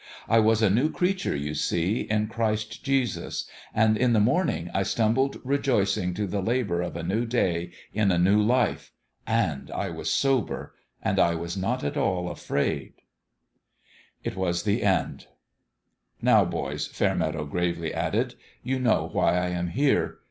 I was a new creature, you see, in Christ Jesus. ... And in the morning I stumbled rejoicing to the labour of a new day in a new life. ... And I was sober and I was not at all afraid. ." /AT HIS OWN BEHALF 347 It was the end. " Now, boys," Fairmeadow gravely added, " you know why I am here.